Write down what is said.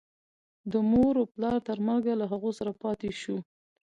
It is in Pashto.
د مور و پلار تر مرګه له هغو سره پاتې شو.